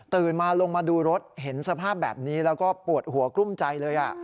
มาลงมาดูรถเห็นสภาพแบบนี้แล้วก็ปวดหัวกลุ้มใจเลย